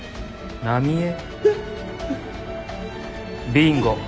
ビンゴ。